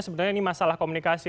sebenarnya ini masalah komunikasi